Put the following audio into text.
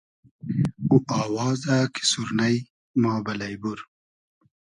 او آوازۂ کی سورنݷ ما بئلݷ بور